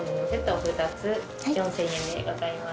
お二つ４０００円でございます。